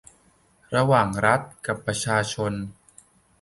ระหว่างรัฐกับประชาชน